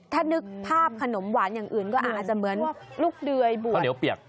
ถ้านึกภาพขนมหวานอย่างอื่นก็อาจจะเหมือนลูกเดยบูดข้าวเหนียวเปียก